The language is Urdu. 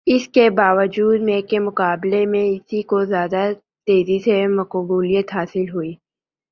اس کے باوجود میک کے مقابلے میں اسی کو زیادہ تیزی سے مقبولیت حاصل ہوئی